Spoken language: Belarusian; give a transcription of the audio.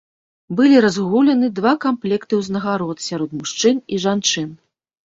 Былі разгуляны два камплекты ўзнагарод сярод мужчын і жанчын.